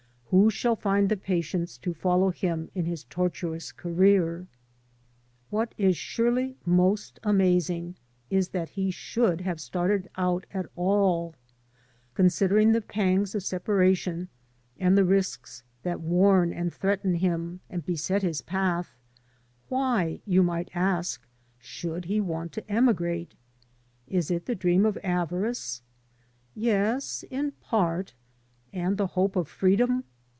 Who shall find the patience to follow him in his tortuous career? What is surely most amazing is that he should have started out at all. Considering the pangs of separation and the risks that warn and threaten him and beset his path, why, you might ask, should he want to emigrate? Is it the dream of avarice? Yes, in part. And the hope of freedom?